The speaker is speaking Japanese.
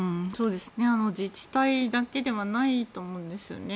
自治体だけではないとは思うんですよね。